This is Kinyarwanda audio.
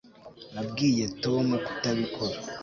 Nabwiye Tom kutabikora